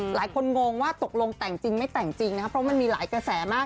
งงว่าตกลงแต่งจริงไม่แต่งจริงนะครับเพราะมันมีหลายกระแสมาก